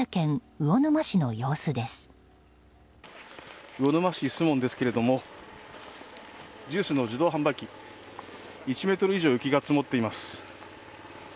魚沼市守門ですけれどもジュースの自動販売機１ｍ以上、雪が積もっています。